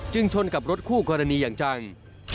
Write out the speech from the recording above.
จึงชนกับรถคู่กรณิแห่งจัง